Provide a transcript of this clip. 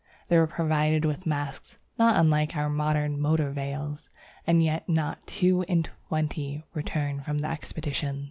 They were provided with masks (not unlike our modern motor veils), and yet not two in twenty returned from the expedition.